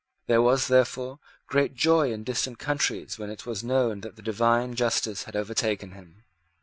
There was, therefore, great joy in distant countries when it was known that the divine justice had overtaken him.